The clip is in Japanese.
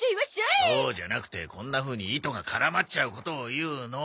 そうじゃなくてこんなふうに糸が絡まっちゃうことを言うの。